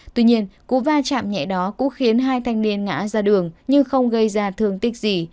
tuy nhiên cú va chạm nhẹ đó cũng khiến hai thanh niên ngã ra đường nhưng không gây ra thương tích gì